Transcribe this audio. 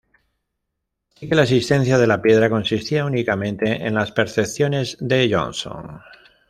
Así que la existencia de la piedra consistía únicamente en las "percepciones" de Johnson.